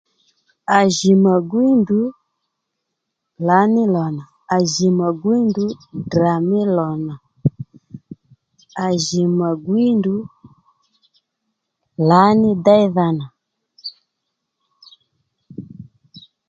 À jì mà gwíy ndrǔ lǎní lò nà à jì mà gwíy ndrǔ Ddrà mí lò nà à jì mà gwíy ndrǔ lǎní déydha nà